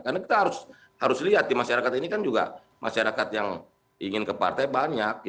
karena kita harus lihat di masyarakat ini kan juga masyarakat yang ingin ke partai banyak